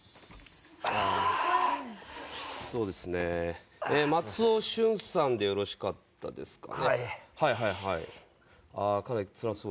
そうですね、松尾駿さんでよろしかったですかね。